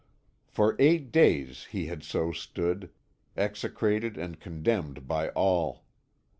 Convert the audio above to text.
For eight days had he so stood, execrated and condemned by all.